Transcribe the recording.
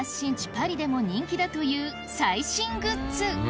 パリでも人気だという最新グッズ